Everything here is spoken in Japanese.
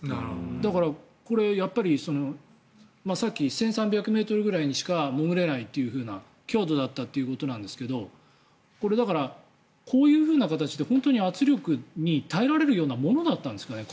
だから、これはさっき１３００ｍぐらいしか潜れない強度だったということですがだから、こういう形で圧力に耐えられるようなものだったんですかね。